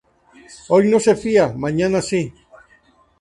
Hoy no se fía, mañana sí